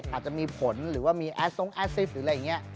อาจจะมีผลหรือว่ามีแอสทรงแอสซิฟหรืออะไรอย่างนี้